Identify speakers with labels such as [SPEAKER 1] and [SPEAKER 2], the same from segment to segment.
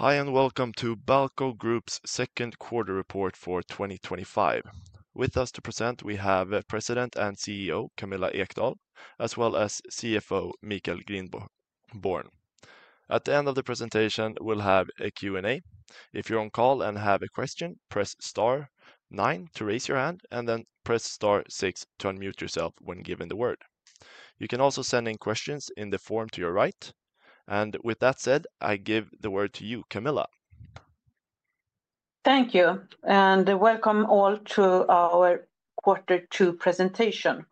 [SPEAKER 1] Hi, and welcome to Balco Group's second quarter report for 2025. With us to present, we have President and CEO Camilla Ekdahl, as well as CFO Michael Grindborn. At the end of the presentation, we'll have a Q&A. If you're on call and have a question, press star nine to raise your hand, and then press star six to unmute yourself when given the word. You can also send in questions in the form to your right. With that said, I give the word to you, Camilla.
[SPEAKER 2] Thank you, and welcome all to our quarter two presentation.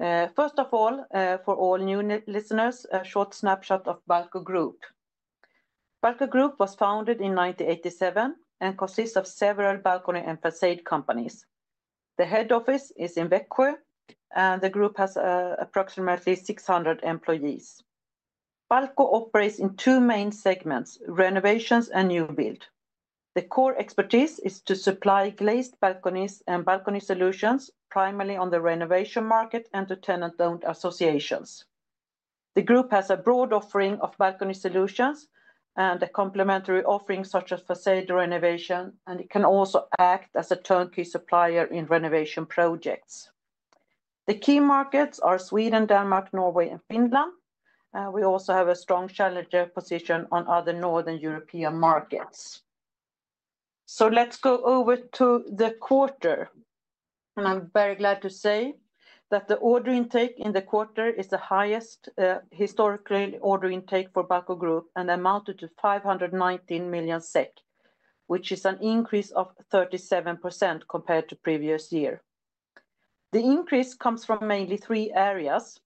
[SPEAKER 2] First of all, for all new listeners, a short snapshot of Balco Group. Balco Group was founded in 1987 and consists of several balcony and façade companies. The head office is in Växjö, and the group has approximately 600 employees. Balco operates in two main segments: renovations and new build. The core expertise is to supply glazed balconies and balcony solutions, primarily on the renovation market and to tenant-owned associations. The group has a broad offering of balcony solutions and complementary offerings such as façade renovation, and it can also act as a turnkey supplier in renovation projects. The key markets are Sweden, Denmark, Norway, and Finland. We also have a strong challenger position on other Northern European markets. Let's go over to the quarter. I'm very glad to say that the order intake in the quarter is the highest, historically, order intake for Balco Group, and amounted to 519 million SEK, which is an increase of 37% compared to the previous year. The increase comes from mainly three areas.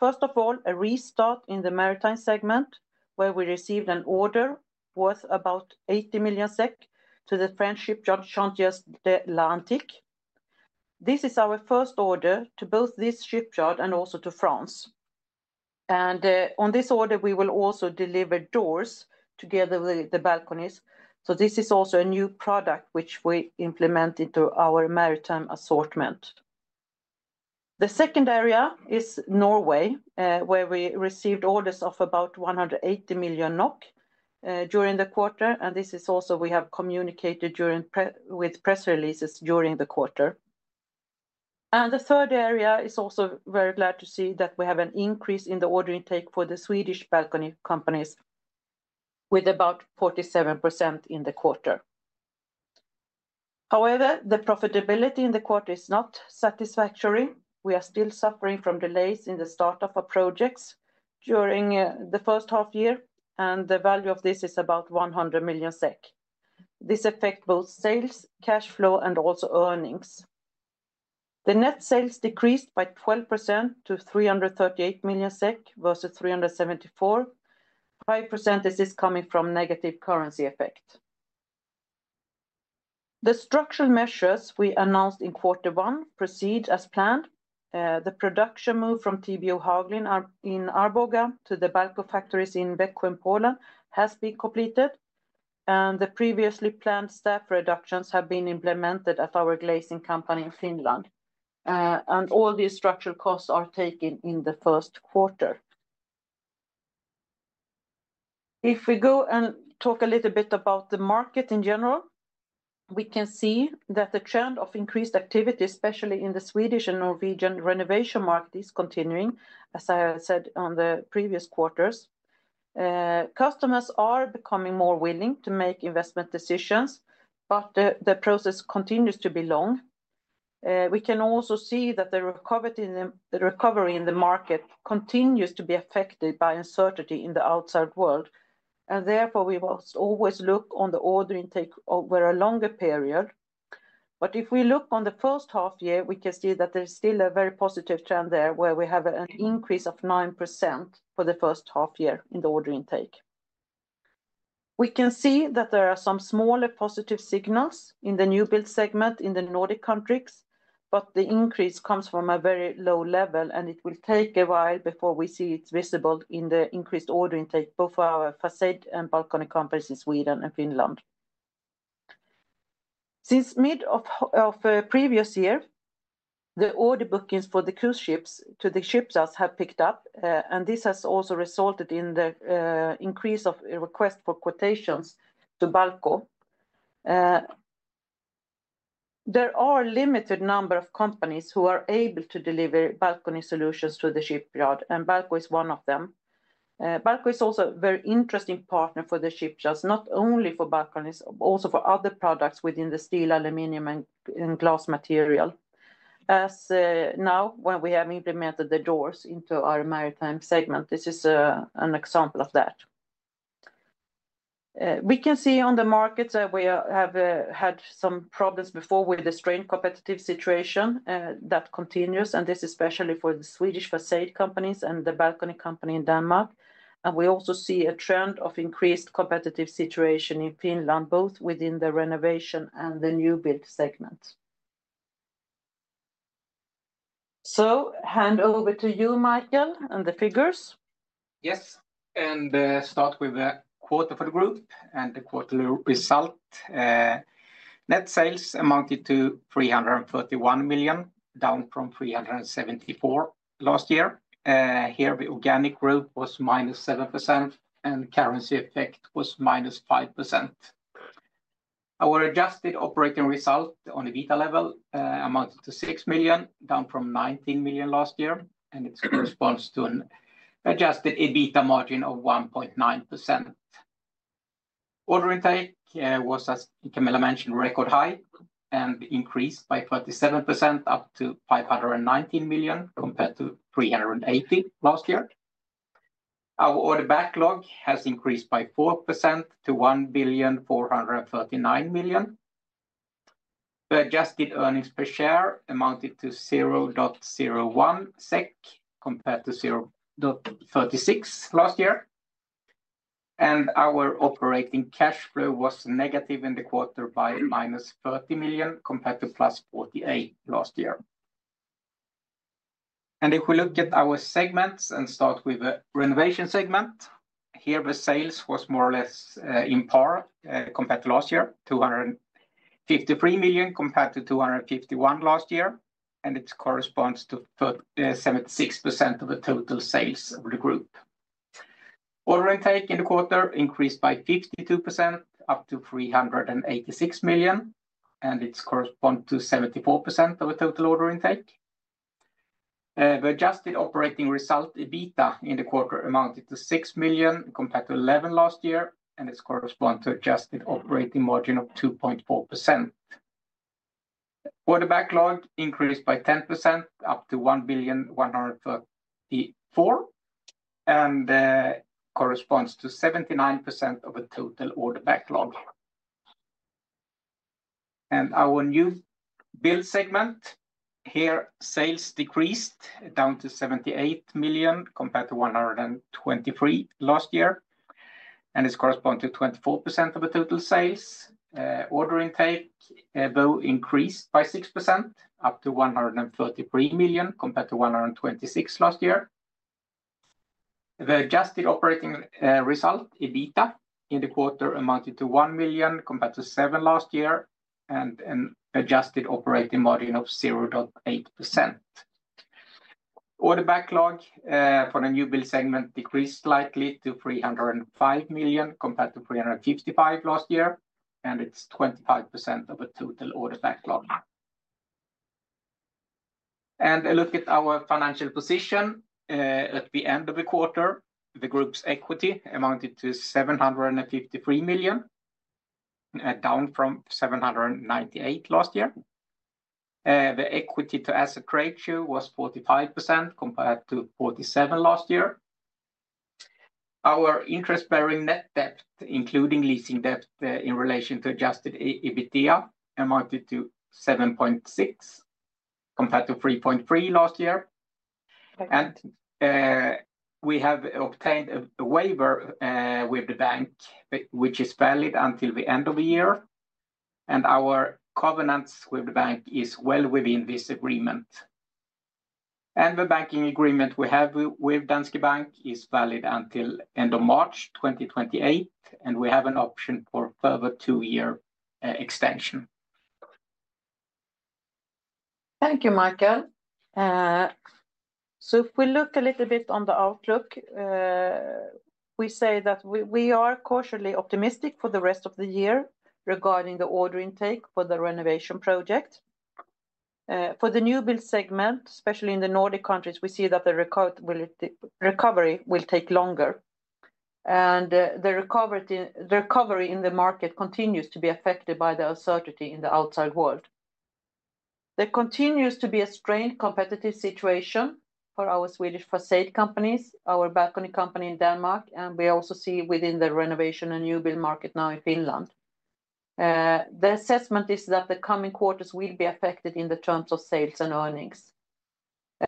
[SPEAKER 2] First of all, a restart in the maritime segment, where we received an order worth about 80 million SEK to the French shipyard Chantiers de l’Atlantique. This is our first order to both this shipyard and also to France. On this order, we will also deliver doors together with the balconies. This is also a new product which we implemented to our maritime assortment. The second area is Norway, where we received orders of about 180 million NOK during the quarter, and this is also we have communicated with press releases during the quarter. The third area is also very glad to see that we have an increase in the order intake for the Swedish balcony companies, with about 47% in the quarter. However, the profitability in the quarter is not satisfactory. We are still suffering from delays in the startup of projects during the first half year, and the value of this is about 100 million SEK. This affects both sales, cash flow, and also earnings. The net sales decreased by 12% to 338 million SEK versus 374 million. 5% is coming from negative currency effect. The structural measures we announced in quarter one proceed as planned. The production move from TBO-Haglind in Arboga to the Balco factories in Växjö, Poland, has been completed. The previously planned staff reductions have been implemented at our glazing company in Finland. All these structural costs are taken in the first quarter. If we go and talk a little bit about the market in general, we can see that the trend of increased activity, especially in the Swedish and Norwegian renovation market, is continuing, as I said in the previous quarters. Customers are becoming more willing to make investment decisions, but the process continues to be long. We can also see that the recovery in the market continues to be affected by uncertainty in the outside world. Therefore, we must always look on the order intake over a longer period. If we look on the first half year, we can see that there is still a very positive trend there, where we have an increase of 9% for the first half year in the order intake. We can see that there are some smaller positive signals in the new build segment in the Nordic countries, but the increase comes from a very low level, and it will take a while before we see it visible in the increased order intake both for our façade and balcony companies in Sweden and Finland. Since mid of the previous year, the order bookings for the cruise ships to the shipyards have picked up, and this has also resulted in the increase of requests for quotations to Balco. There are a limited number of companies who are able to deliver balcony solutions to the shipyard, and Balco is one of them. Balco is also a very interesting partner for the shipyards, not only for balconies, but also for other products within the steel, aluminium, and glass material. As now, when we have implemented the doors into our maritime segment, this is an example of that. We can see on the markets that we have had some problems before with the strained competitive situation that continues, and this is especially for the Swedish façade companies and the balcony company in Denmark. We also see a trend of increased competitive situation in Finland, both within the renovation and the new build segments. Hand over to you, Michael, and the figures.
[SPEAKER 3] Yes, and start with the quarter for the group and the quarterly result. Net sales amounted to 331 million, down from 374 million last year. Here the organic growth was -7%, and currency effect was -5%. Our adjusted operating result on EBITDA level amounted to 6 million, down from 19 million last year, and it responds to an adjusted EBITDA margin of 1.9%. Order intake was, as Camilla mentioned, record high and increased by 37% up to 519 million compared to 380 million last year. Our order backlog has increased by 4% to 1,439,000 million. The adjusted earnings per share amounted to 0.01 SEK compared to 0.36 last year. Our operating cash flow was negative in the quarter by -30 million compared to +48 million last year. If we look at our segments and start with the renovation segment, here the sales were more or less in par compared to last year, 253 million compared to 251 million last year, and it corresponds to 76% of the total sales of the group. Order intake in the quarter increased by 52% up to 386 million, and it corresponds to 74% of the total order intake. The adjusted operating result EBITDA in the quarter amounted to 6 million compared to 11 million last year, and it corresponds to an adjusted operating margin of 2.4%. Order backlog increased by 10% up to 1,144,00 million, and it corresponds to 79% of the total order backlog. Our new build segment, here sales decreased down to 78 million compared to 123 million last year, and it corresponds to 24% of the total sales. Order intake though increased by 6% up to 133 million compared to 126 million last year. The adjusted operating result EBITDA in the quarter amounted to 1 million compared to 7 million last year, and an adjusted operating margin of 0.8%. Order backlog for the new build segment decreased slightly to 305 million compared to 355 million last year, and it's 25% of the total order backlog. A look at our financial position at the end of the quarter, the group's equity amounted to 753 million, down from 798 million last year. The equity-to-asset ratio was 45% compared to 47% last year. Our interest-bearing net debt, including leasing debt in relation to adjusted EBITDA, amounted to 7.6% compared to 3.3% last year. We have obtained a waiver with the bank, which is valid until the end of the year. Our covenants with the bank are well within this agreement. The banking agreement we have with Danske Bank is valid until the end of March 2028, and we have an option for a further two-year extension.
[SPEAKER 2] Thank you, Michael. If we look a little bit on the outlook, we say that we are cautiously optimistic for the rest of the year regarding the order intake for the renovation project. For the new build segment, especially in the Nordic countries, we see that the recovery will take longer. The recovery in the market continues to be affected by the uncertainty in the outside world. There continues to be a strained competitive situation for our Swedish façade companies, our balcony company in Denmark, and we also see this within the renovation and new build market now in Finland. The assessment is that the coming quarters will be affected in terms of sales and earnings.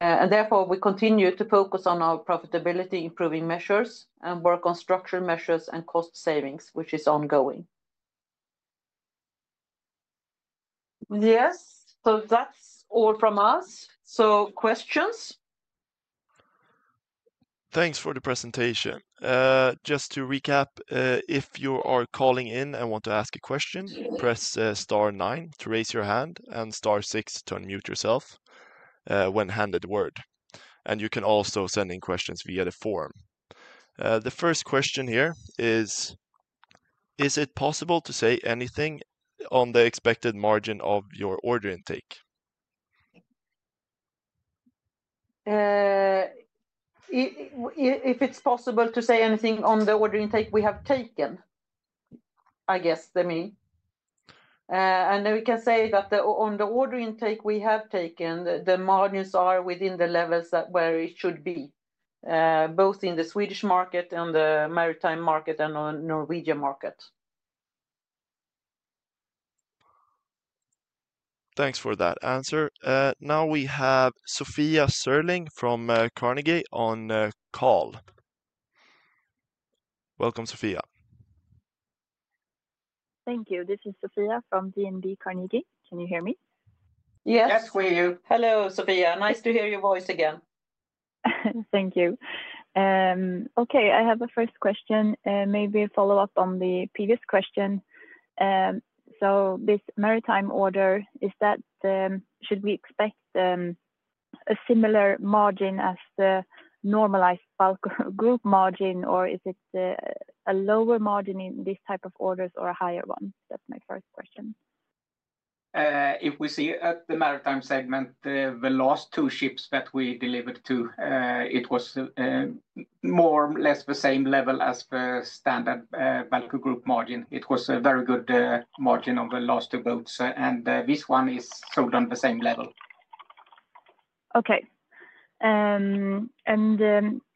[SPEAKER 2] Therefore, we continue to focus on our profitability improving measures and work on structural measures and cost savings, which is ongoing. Yes, that's all from us. Questions?
[SPEAKER 1] Thanks for the presentation. Just to recap, if you are calling in and want to ask a question, press star nine to raise your hand and star six to unmute yourself when handed the word. You can also send in questions via the form. The first question here is, is it possible to say anything on the expected margin of your order intake?
[SPEAKER 2] If it's possible to say anything on the order intake we have taken, I guess they mean. We can say that on the order intake we have taken, the margins are within the levels where it should be, both in the Swedish market, the maritime segment, and the Norwegian market.
[SPEAKER 1] Thanks for that answer. Now we have Sofia Sörling from Carnegie on call. Welcome, Sofia.
[SPEAKER 4] Thank you. This is Sofia Sörling from DNB Carnegie. Can you hear me?
[SPEAKER 2] Yes, we hear you. Hello, Sofia. Nice to hear your voice again.
[SPEAKER 4] Thank you. Okay, I have a first question. Maybe a follow-up on the previous question. This maritime order, should we expect a similar margin as the normalized Balco Group margin, or is it a lower margin in this type of orders or a higher one? That's my first question.
[SPEAKER 3] If we see at the maritime segment, the last two ships that we delivered to, it was more or less the same level as the standard Balco Group margin. It was a very good margin on the last two boats, and this one is sold on the same level.
[SPEAKER 4] Okay.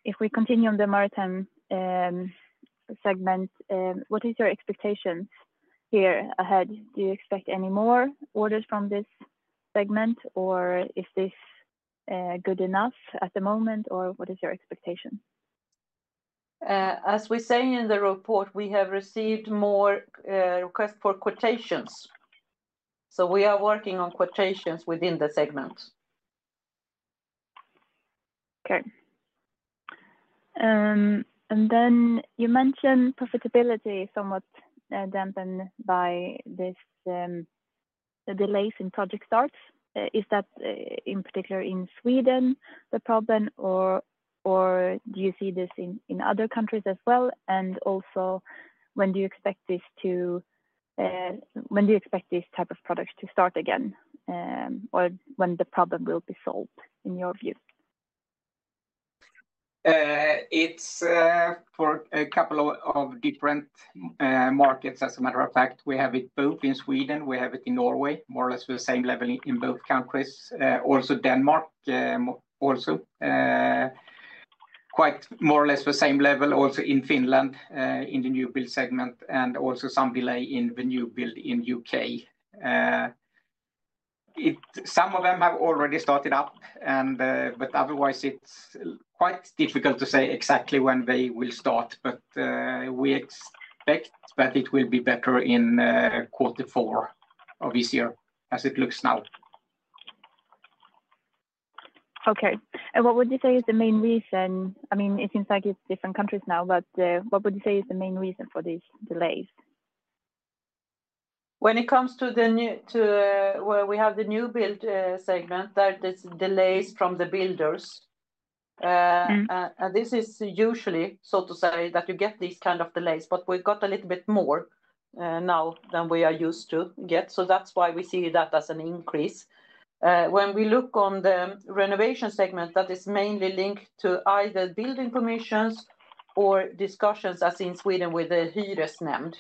[SPEAKER 4] If we continue on the maritime segment, what is your expectation here ahead? Do you expect any more orders from this segment, or is this good enough at the moment, or what is your expectation?
[SPEAKER 2] As we say in the report, we have received more requests for quotations, so we are working on quotations within the segment.
[SPEAKER 4] Okay. You mentioned profitability is somewhat dampened by these delays in project starts. Is that in particular in Sweden the problem, or do you see this in other countries as well? Also, when do you expect this to, when do you expect this type of products to start again, or when the problem will be solved in your view?
[SPEAKER 3] It's for a couple of different markets, as a matter of fact. We have it both in Sweden. We have it in Norway, more or less the same level in both countries. Also Denmark, also quite more or less the same level, also in Finland in the new build segment, and also some delay in the new build in the UK. Some of them have already started up, otherwise, it's quite difficult to say exactly when they will start. We expect that it will be better in the quarter four of this year as it looks now.
[SPEAKER 4] Okay. What would you say is the main reason? I mean, it seems like it's different countries now, but what would you say is the main reason for these delays?
[SPEAKER 2] When it comes to where we have the new build segment, there are delays from the builders. This is usually to say that you get these kind of delays, but we've got a little bit more now than we are used to get. That's why we see that as an increase. When we look on the renovation segment, that is mainly linked to either building permissions or discussions as in Sweden with the hyresnämnd.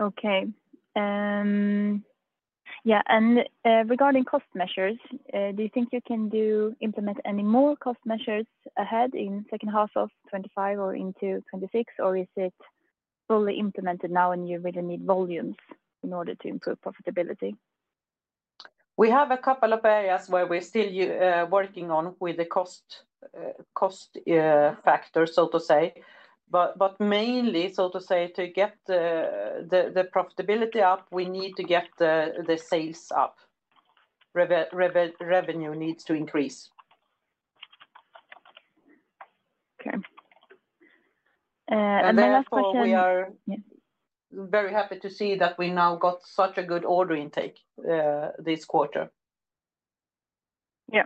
[SPEAKER 4] Okay. Regarding cost measures, do you think you can implement any more cost measures ahead in the second half of 2025 or into 2026, or is it fully implemented now and you really need volumes in order to improve profitability?
[SPEAKER 2] We have a couple of areas where we're still working on the cost factor, so to say. Mainly, to get the profitability up, we need to get the sales up. Revenue needs to increase.
[SPEAKER 4] Okay. Last question.
[SPEAKER 2] Therefore, we are very happy to see that we now got such a good order intake this quarter.
[SPEAKER 4] Yeah.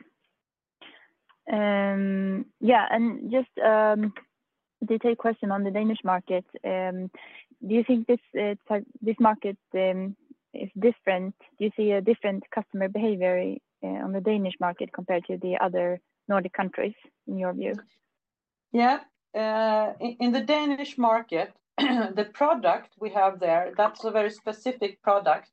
[SPEAKER 4] Just a detailed question on the Danish market. Do you think this market is different? Do you see a different customer behavior on the Danish market compared to the other Nordic countries in your view?
[SPEAKER 2] Yeah. In the Danish market, the product we have there is a very specific product.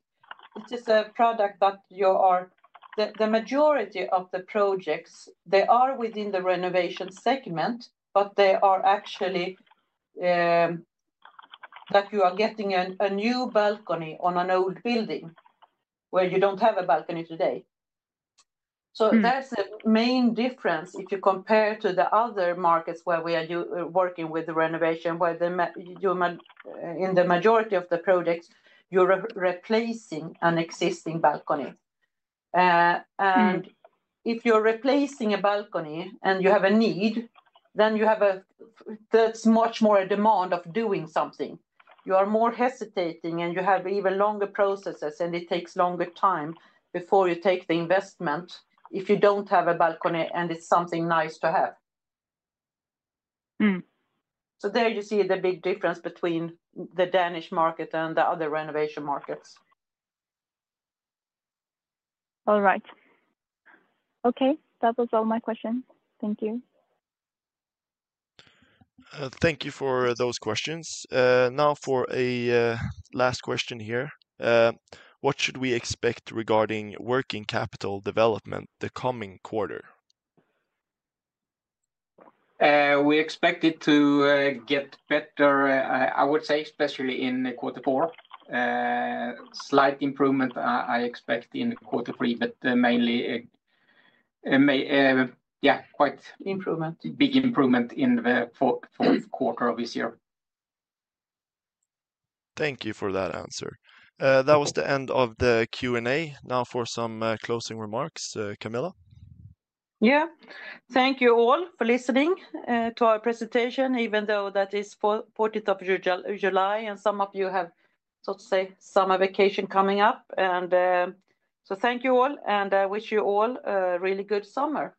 [SPEAKER 2] It is a product that you are, the majority of the projects, they are within the renovation segment, but they are actually that you are getting a new balcony on an old building where you don't have a balcony today. That's the main difference if you compare to the other markets where we are working with the renovation, where in the majority of the projects, you're replacing an existing balcony. If you're replacing a balcony and you have a need, then you have a much more demand of doing something. You are more hesitating, and you have even longer processes, and it takes longer time before you take the investment if you don't have a balcony and it's something nice to have. There you see the big difference between the Danish market and the other renovation markets.
[SPEAKER 4] All right. Okay. That was all my questions. Thank you.
[SPEAKER 1] Thank you for those questions. Now for a last question here. What should we expect regarding working capital development the coming quarter?
[SPEAKER 3] We expect it to get better, I would say, especially in quarter four. Slight improvement I expect in quarter three, but mainly, yeah, quite improvement, big improvement in the fourth quarter of this year.
[SPEAKER 1] Thank you for that answer. That was the end of the Q&A. Now for some closing remarks, Camilla.
[SPEAKER 2] Thank you all for listening to our presentation, even though it is the 14th of July, and some of you have, so to say, summer vacation coming up. Thank you all, and I wish you all a really good summer.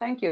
[SPEAKER 2] Thank you.